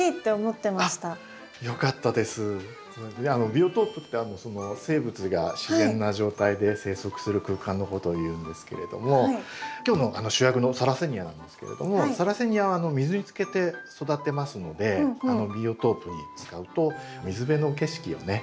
ビオトープって生物が自然な状態で生息する空間のことをいうんですけれども今日の主役のサラセニアなんですけれどもサラセニアは水につけて育てますのでビオトープに使うと水辺の景色をね